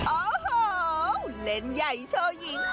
โอ้โหเล่นใหญ่โชว์หญิง